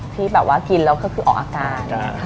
ที่แบบว่ากินแล้วก็คือออกอาการ